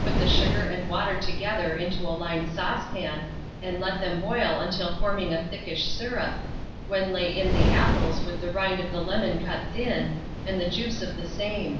Put the sugar and water together into a lined saucepan, and let them boil until forming a thickish syrup, when lay in the apples with the rind of the lemon cut thin, and the juice of the same.